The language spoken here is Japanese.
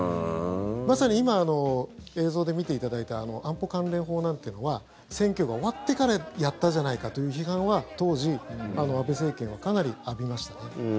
まさに今、映像で見ていただいた安保関連法なんていうのは選挙が終わってからやったじゃないかという批判は当時、安倍政権はかなり浴びましたね。